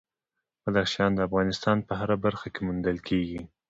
بدخشان د افغانستان په هره برخه کې موندل کېږي.